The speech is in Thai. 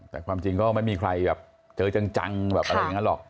แต่ความจริงก็ไม่มีใครแบบเจอจังแบบอะไรอย่างนั้นหรอก